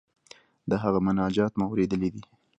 د هغه مناجات مو اوریدلی دی.